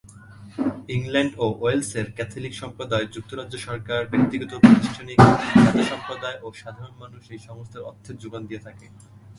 England ও ওয়েলসের Catholic সম্প্রদায়, যুক্তরাজ্য সরকার, ব্যক্তিগত ও প্রাতিষ্ঠানিক দাতাসম্প্রদায় ও সাধারণ মানুষ এই সংস্থার অর্থের যোগান দিয়ে থাকে।